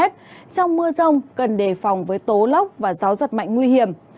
trong mưa rông cần đề phòng với tố lốc và gió giật mạnh nguy hiểm